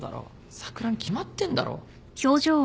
サクラに決まってんだろ。